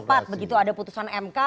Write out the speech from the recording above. begitu cepat begitu ada putusan mk